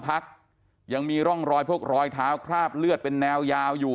พักยังมีร่องรอยพวกรอยเท้าคราบเลือดเป็นแนวยาวอยู่